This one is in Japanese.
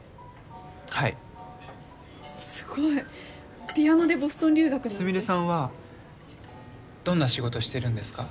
はいすごいピアノでボストン留学スミレさんはどんな仕事してるんですか？